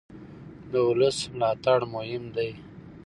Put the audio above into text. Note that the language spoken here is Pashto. د ولس ملاتړ مهم دی